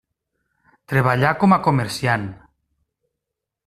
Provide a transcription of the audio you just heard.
Treballà com a comerciant.